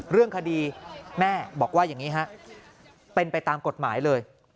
เรื่องคดีแม่บอกว่าอย่างนี้ฮะเป็นไปตามกฎหมายเลย